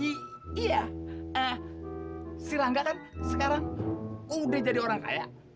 iya si rangga kan sekarang udah jadi orang kaya